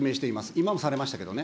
今もされましたけどね。